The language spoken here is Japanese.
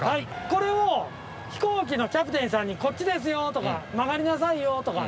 これを飛行機のキャプテンさんにこっちですよとか曲がりなさいよとか。